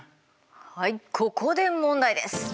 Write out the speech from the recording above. はいここで問題です。